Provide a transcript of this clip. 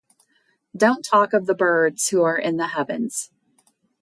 Don't talk of the birds who are in the heavens.